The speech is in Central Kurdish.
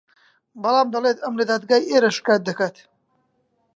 بەڵام دەڵێت ئەم لە دادگای ئێرە شکات دەکات